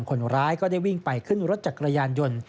คนร้ายก็ได้วิ่งไปขึ้นรถจักรยานยนต์